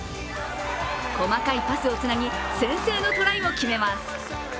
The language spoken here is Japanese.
細かいパスをつなぎ先制のトライを決めます。